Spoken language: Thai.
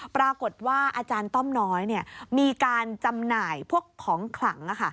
อาจารย์ต้อมน้อยมีการจำหน่ายพวกของขลัง